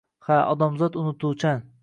Ha, odamzot unutuvchan.